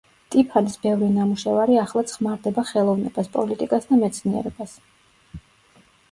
ტიფანის ბევრი ნამუშევარი ახლაც ხმარდება ხელოვნებას, პოლიტიკას და მეცნიერებას.